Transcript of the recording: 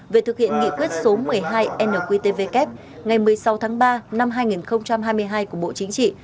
về thực hiện nghị quyết số một mươi hai nqtvk ngày một mươi sáu tháng ba năm hai nghìn hai mươi hai của bộ chính trị